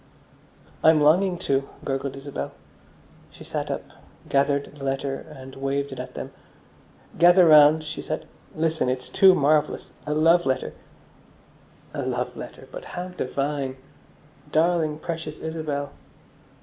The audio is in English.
"I'm longing to," gurgled Isabel. She sat up, gathered the letter, and waved it at them. "Gather round," she said. "Listen, it's too marvellous. A love letter!" "A love letter! But how divine!" _Darling, precious Isabel.